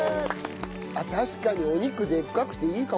確かにお肉でっかくていいかもね。